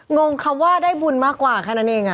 งงคำว่าได้บุญมากกว่าแค่นั้นเอง